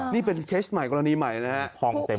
นี่เป็นเคสใหม่กรณีใหม่นะครับ